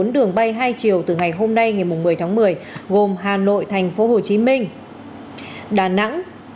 bốn đường bay hai chiều từ ngày hôm nay ngày một mươi tháng một mươi gồm hà nội thành phố hồ chí minh đà nẵng